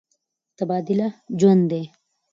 تبادله ژوند دی.